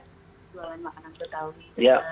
jualan makanan betawi